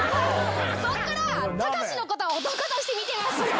そこから隆のことは男として見てます。